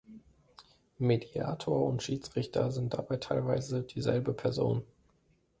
Mediator und Schiedsrichter sind dabei teilweise dieselbe Person.